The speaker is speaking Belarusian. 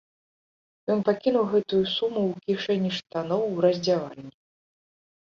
Ён пакінуў гэтую суму ў кішэні штаноў у раздзявальні.